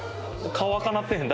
顔赤なってへん？